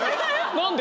何で？